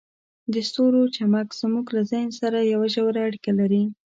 د ستورو چمک زموږ له ذهن سره یوه ژوره اړیکه لري.